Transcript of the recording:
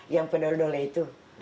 yang penduduk dole itu